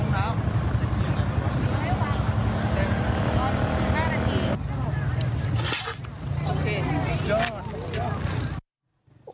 โอเคยอดยอด